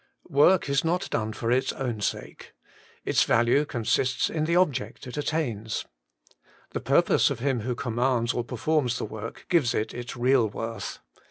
WORK is not done for its own sake. Its value consists in the object it attains. The purpose of him who commands or per forms the work gives it its real worth.